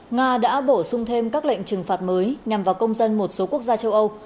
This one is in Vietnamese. nga đã bổ sung thêm các lệnh trừng phạt mới nhằm vào công dân một số quốc gia châu âu